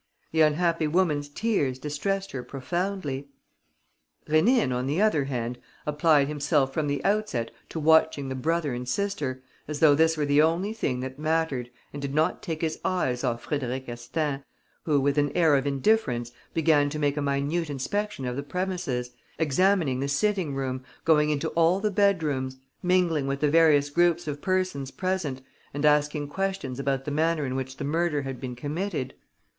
The unhappy woman's tears distressed her profoundly. Rénine, on the other hand, applied himself from the outset to watching the brother and sister, as though this were the only thing that mattered, and did not take his eyes off Frédéric Astaing, who, with an air of indifference, began to make a minute inspection of the premises, examining the sitting room, going into all the bedrooms, mingling with the various groups of persons present and asking questions about the manner in which the murder had been committed.